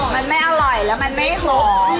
มันไม่อร่อยแล้วมันไม่หอม